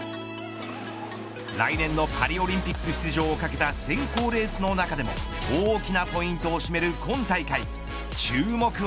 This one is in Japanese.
来年のパリオリンピック出場を懸けた選考レースの中でも大きなポイントを占める今大会注目は。